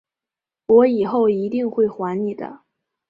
我以后一定会还你的